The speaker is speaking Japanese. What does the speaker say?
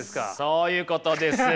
そういうことです。